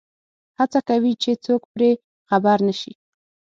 هڅه کوي چې څوک پرې خبر نه شي.